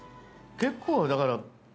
結構だから。